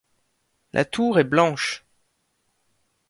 La tour est blanche.